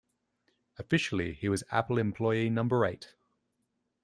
Officially he was Apple employee number eight.